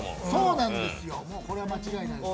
もうこれは間違いないです。